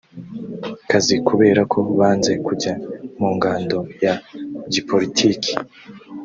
kazi kubera ko banze kujya mu ngando ya gipolitiki